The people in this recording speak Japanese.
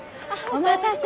お待たせ。